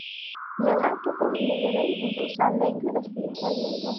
مېڭە توقۇلمىلىرى بۇزۇلسا، مەڭگۈ ئەسلىگە كەلمەيدۇ.